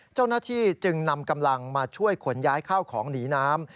เจ้าหน้าที่จึงนำกำลังมาช่วยขนย้ายข้าวของหนีน้ำ